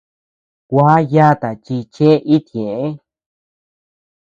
Gua yata chi chee itñeʼë.